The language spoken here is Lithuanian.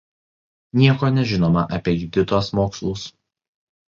Nieko nežinoma apie Juditos mokslus.